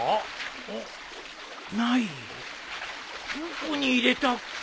ないどこに入れたっけ？